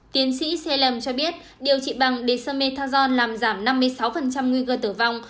tiến sĩ salem cho biết điều trị bằng dexamethasone làm giảm năm mươi sáu nguy cơ tử vong